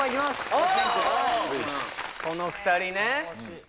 この２人ね